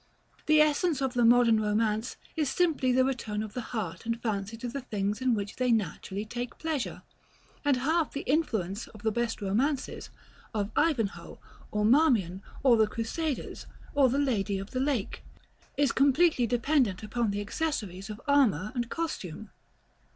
The essence of modern romance is simply the return of the heart and fancy to the things in which they naturally take pleasure; and half the influence of the best romances, of Ivanhoe, or Marmion, or the Crusaders, or the Lady of the Lake, is completely dependent upon the accessaries of armor and costume.